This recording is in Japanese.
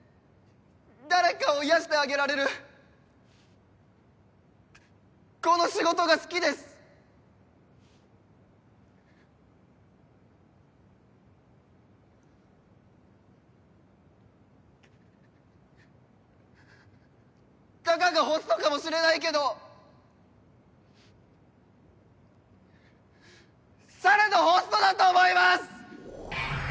誰かを癒やしてあげられるこの仕事が好きですたかがホストかもしれないけどされどホストだと思います！